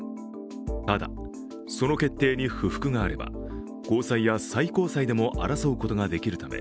ただ、その決定に不服があれば高裁や最高裁でも争うことができるため